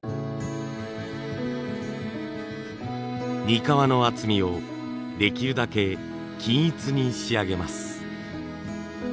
にかわの厚みをできるだけ均一に仕上げます。